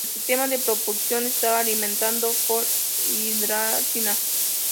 El sistema de propulsión estaba alimentado por hidracina.